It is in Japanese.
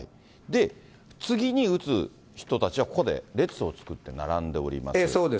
次に撃つ人たちは、ここで列を作って並んでおります。